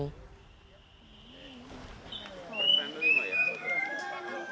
ketika keadaan berubah